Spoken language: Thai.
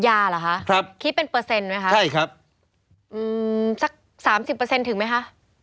เหรอคะครับคิดเป็นเปอร์เซ็นต์ไหมคะใช่ครับอืมสักสามสิบเปอร์เซ็นถึงไหมคะ